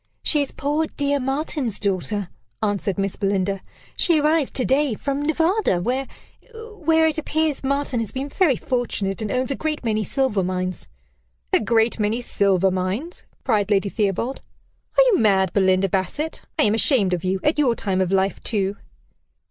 "She is poor dear Martin's daughter," answered Miss Belinda. "She arrived to day from Nevada, where where it appears Martin has been very fortunate, and owns a great many silver mines" "A 'great many' silver mines!" cried Lady Theobald. "Are you mad, Belinda Bassett? I am ashamed of you. At your time of life too!"